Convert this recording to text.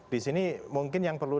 di sini mungkin yang perlu